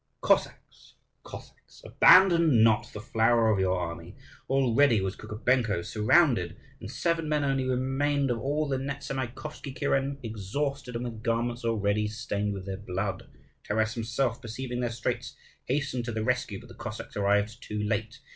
Cossacks, Cossacks! abandon not the flower of your army. Already was Kukubenko surrounded, and seven men only remained of all the Nezamaikovsky kuren, exhausted and with garments already stained with their blood. Taras himself, perceiving their straits, hastened to their rescue; but the Cossacks arrived too late.